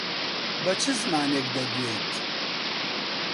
بە چ زمانێک دەدوێیت؟